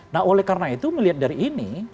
nah oleh karena itu melihat dari ini